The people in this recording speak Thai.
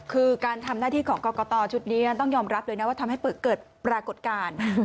คือการทำหน้าที่ของกรกตชุดนี้ต้องยอมรับเลยนะว่าทำให้เกิดปรากฏการณ์